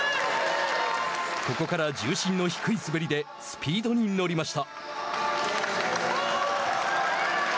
ここから重心の低い滑りでスピードに乗りました。